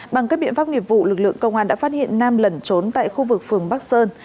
bằng các biện pháp nghiệp vụ lực lượng công an đã phát hiện nam lẩn trốn tại khu vực phường bắc sơn